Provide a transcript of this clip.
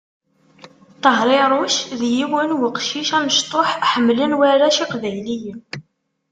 Tehriruc d yiwen weqcic amectuḥ ḥemlen warrac iqbayliyen.